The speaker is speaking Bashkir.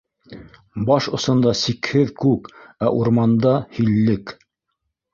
Баш осонда - сикһеҙ күк, ә урманда - һиллек.